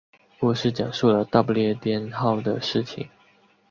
故事讲述了大不列颠号的事情。